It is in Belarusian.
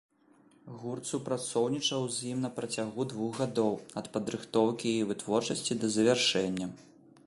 Гурт супрацоўнічаў з ім на працягу двух гадоў, ад падрыхтоўкі вытворчасці да завяршэння.